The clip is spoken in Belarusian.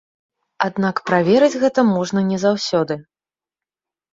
Аднак праверыць гэта можна не заўсёды.